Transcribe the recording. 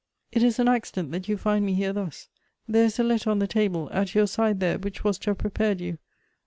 It is an accident that you find me here thus. There is a letter on the table, at your side there, which was to have prepared you.